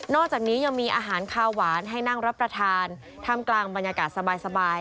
อกจากนี้ยังมีอาหารคาวหวานให้นั่งรับประทานท่ามกลางบรรยากาศสบาย